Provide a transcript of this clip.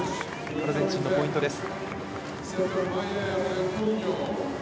アルゼンチンのポイントです。